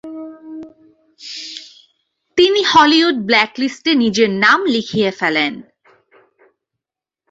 তিনি হলিউড ব্ল্যাকলিস্টে নিজের নাম লিখিয়ে ফেলেন।